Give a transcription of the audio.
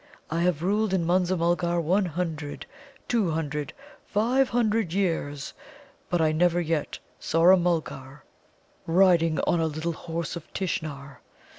"I have ruled in Munza mulgar one hundred, two hundred, five hundred years, but I never yet saw a Mulgar riding on a Little Horse of Tishnar.